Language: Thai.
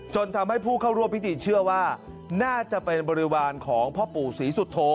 จนทำให้ผู้เข้าร่วมพิธีเชื่อว่าน่าจะเป็นบริวารของพ่อปู่ศรีสุโธ